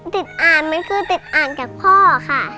อ่านมันคือติดอ่านจากพ่อค่ะ